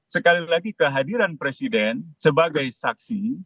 sekali lagi kehadiran presiden sebagai saksi